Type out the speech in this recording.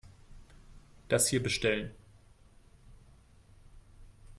Das hier bestellen.